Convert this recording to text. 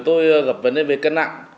tôi gặp vấn đề về cân nặng